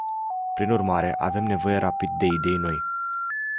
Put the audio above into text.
Prin urmare, avem nevoie rapid de idei noi.